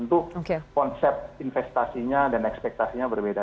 tentu konsep investasinya dan ekspektasinya berbeda